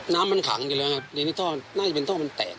น้ำมันขังอยู่แล้วครับทีนี้ท่อน่าจะเป็นท่อมันแตก